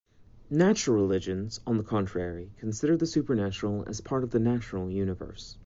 Natural religions, on the contrary, consider the supernatural as part of the natural universe.